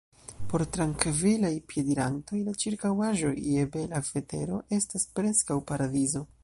Por trankvilaj piedirantoj la ĉirkaŭaĵo, je bela vetero, estas preskaŭ paradizo.